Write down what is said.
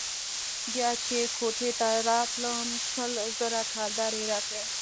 بيا چې كوټې ته راتلم شل زره كلدارې يې راکړې.